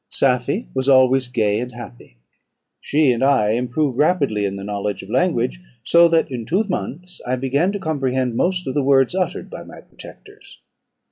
Safie was always gay and happy; she and I improved rapidly in the knowledge of language, so that in two months I began to comprehend most of the words uttered by my protectors.